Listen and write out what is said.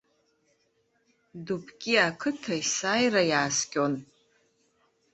Дубки ақыҭа есааира иааскьон.